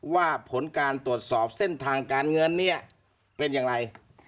ว่าผลการตรวจสอบเส้นทางการเงินเนี่ยเป็นอย่างไร